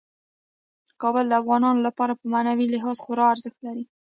کابل د افغانانو لپاره په معنوي لحاظ خورا ارزښت لري.